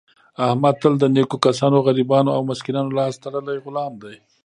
احمد تل د نېکو کسانو، غریبانو او مسکینانو لاس تړلی غلام دی.